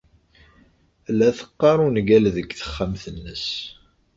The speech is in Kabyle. La teqqar ungal deg texxamt-nnes.